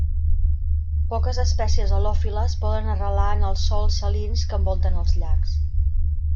Poques espècies halòfiles poden arrelar en els sòls salins que envolten els llacs.